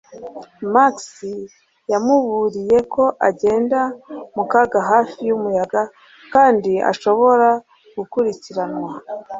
Max yamuburiye ko agenda mu kaga hafi y'umuyaga kandi ashobora gukurikiranwa